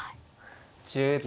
１０秒。